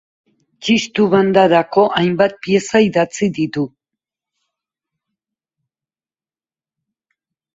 Txistu Bandarako hainbat pieza idatzi ditu.